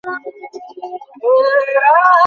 কিছুই তো নন্দ করে নাই।